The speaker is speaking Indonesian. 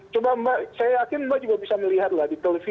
coba mbak saya yakin mbak juga bisa melihat lah di televisi